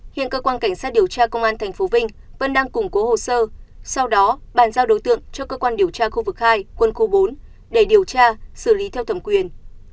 hiện cơ quan cảnh sát điều tra công an tp vinh vẫn đang củng cố hồ sơ sau đó bàn giao đối tượng cho cơ quan điều tra khu vực hai quân khu bốn để điều tra xử lý theo thẩm quyền